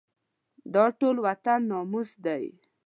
دا ټول وطن ناموس دی.